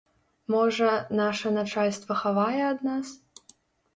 Можа, наша начальства хавае ад нас?